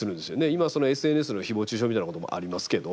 今ＳＮＳのひぼう中傷みたいなこともありますけど。